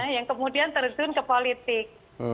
yang kemudian terjun ke politik